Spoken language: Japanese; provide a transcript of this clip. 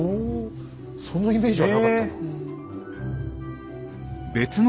そんなイメージはなかったな。